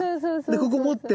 でここ持って。